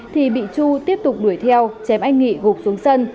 thì bị chu tiếp tục đuổi theo chém anh nghị gục xuống sân